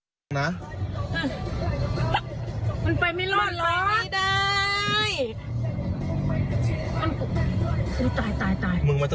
มันไปไม่รอดหรอ